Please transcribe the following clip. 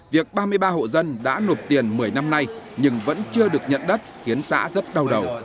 việc ba mươi ba hộ dân đã nộp tiền một mươi năm nay nhưng vẫn chưa được nhận đất khiến xã rất đau đầu